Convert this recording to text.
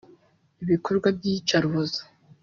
ibikorwa by’iyicarubozo